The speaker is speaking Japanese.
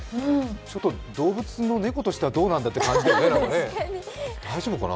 動物の猫としてはどうなんだという感じだね大丈夫かな？